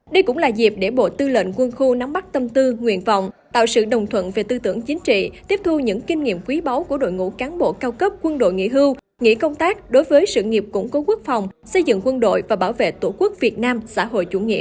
đây cũng là dịp để bộ tư lệnh quân khu nắm bắt tâm tư nguyện vọng tạo sự đồng thuận về tư tưởng chính trị tiếp thu những kinh nghiệm quý báu của đội ngũ cán bộ cao cấp quân đội nghỉ hưu nghỉ công tác đối với sự nghiệp củng cố quốc phòng xây dựng quân đội và bảo vệ tổ quốc việt nam xã hội chủ nghĩa